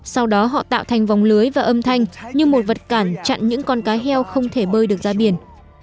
sau đó họ tạo thành vòng lưới và âm thanh như một vật cản chặn những con cá heo không thể bơi được ra biển